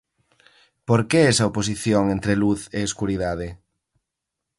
Por que esa oposición entre luz e escuridade?